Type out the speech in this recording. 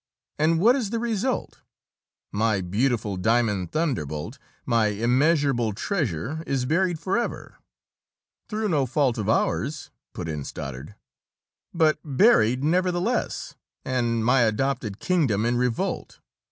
And what is the result? My beautiful Diamond Thunderbolt, my immeasurable treasure, is buried forever." "Through no fault of ours!" put in Stoddard. "But buried nevertheless, and my adopted kingdom in revolt.